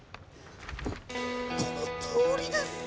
このとおりです！